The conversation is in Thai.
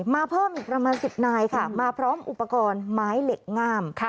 มาเพิ่มอีกประมาณ๑๐นายค่ะมาพร้อมอุปกรณ์ไม้เหล็กงาม